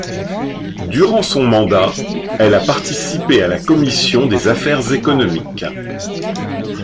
Durant son mandat, elle a participé à la commission des affaires économiques.